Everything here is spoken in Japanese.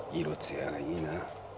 色つやがいいな。